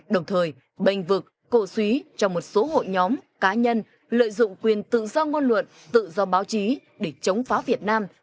đồng thời bành vực cổ suý cho một số hội nhóm cá nhân lợi dụng quyền tự do ngôn luận tự do báo chí để chống phá việt nam